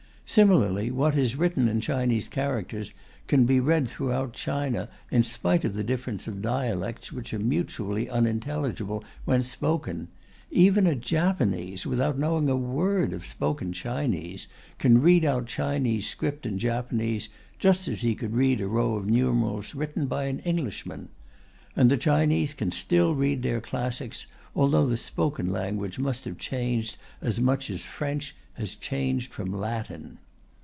Similarly what is written in Chinese characters can be read throughout China, in spite of the difference of dialects which are mutually unintelligible when spoken. Even a Japanese, without knowing a word of spoken Chinese, can read out Chinese script in Japanese, just as he could read a row of numerals written by an Englishman. And the Chinese can still read their classics, although the spoken language must have changed as much as French has changed from Latin.